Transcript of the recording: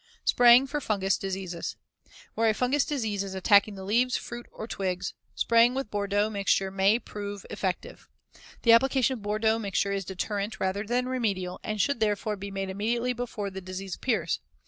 Spraying for fungous diseases: Where a fungous disease is attacking the leaves, fruit, or twigs, spraying with Bordeaux mixture may prove effective. The application of Bordeaux mixture is deterrent rather than remedial, and should therefore be made immediately before the disease appears.